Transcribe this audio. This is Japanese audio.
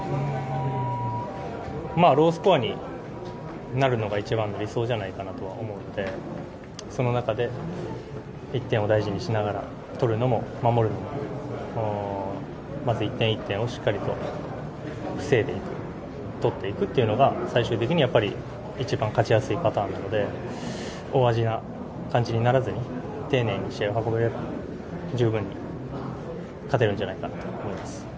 ロースコアになるのが一番理想じゃないかなとは思うのでその中で、１点を大事にしながら取るのも、守るのもまず１点１点をしっかりと防いでいく取っていくというのが最終的に一番勝ちやすいパターンなので大味な感じにならずに丁寧に試合を運べれば十分に勝てるんじゃないかなと思います。